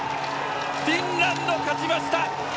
フィンランド、勝ちました！